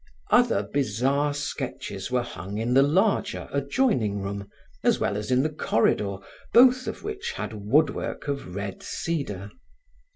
Other bizarre sketches were hung in the larger, adjoining room, as well as in the corridor, both of which had woodwork of red cedar.